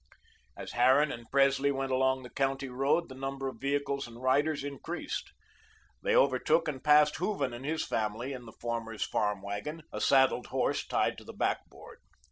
As Harran and Presley went along the county road, the number of vehicles and riders increased. They overtook and passed Hooven and his family in the former's farm wagon, a saddled horse tied to the back board.